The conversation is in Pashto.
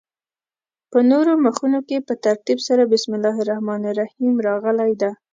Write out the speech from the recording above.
په نورو مخونو کې په ترتیب سره بسم الله الرحمن الرحیم راغلې ده.